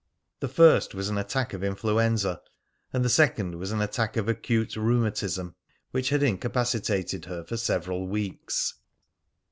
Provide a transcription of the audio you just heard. The first was an attack of influenza, and the second was an attack of acute rheumatism, which had incapacitated her for several weeks.